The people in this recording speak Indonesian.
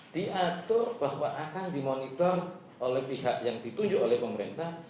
diatur bahwa akan dimonitor oleh pihak yang ditunjuk oleh pemerintah